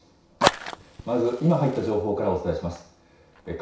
まず、今入った情報からお伝えします。